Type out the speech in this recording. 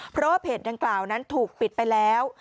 เพราะว่าเพจดังกล่าวนั้นถูกปิดไปแล้ว